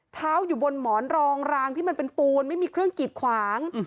อยู่บนหมอนรองรางที่มันเป็นปูนไม่มีเครื่องกิดขวาง